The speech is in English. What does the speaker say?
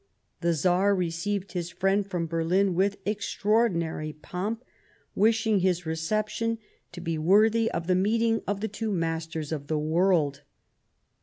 The Tsar received his friend frjpm Berlin with extraordinary pomp, wishing his reception to be worthy of the meeting of the two masters of the world.